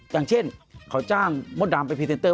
อย่างเช่นเขาจ้างมดดำไปพรีเซนเตอร์